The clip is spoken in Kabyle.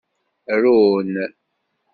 Run.